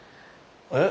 えっ？